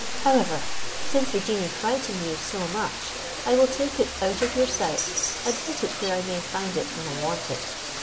However, since the genii frighten you so much, I will take it out of your sight, and put it where I may find it when I want it.